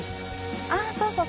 あそうそう